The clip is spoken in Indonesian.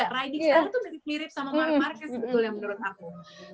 nah itu mirip sama mark marquez sebetulnya menurut aku